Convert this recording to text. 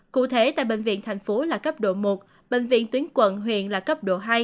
cụ thể tại bệnh viện thành phố là cấp độ một bệnh viện tuyến quận huyện là cấp độ hai